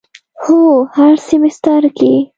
هو، هر سیمیستر کی